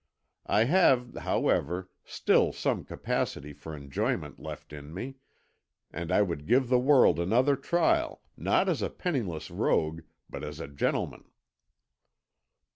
I have, however, still some capacity for enjoyment left in me, and I would give the world another trial, not as a penniless rogue, but as a gentleman."